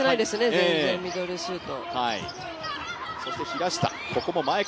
全然、ミドルシュート。